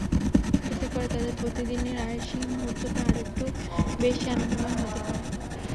এতে করে তাঁদের প্রতিদিনের আয়েশি মুহূর্তটা আরেকটু বেশি আনন্দময় হতে পারে।